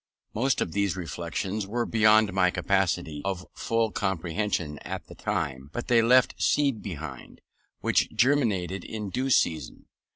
Most of these reflections were beyond my capacity of full comprehension at the time; but they left seed behind, which germinated in due season.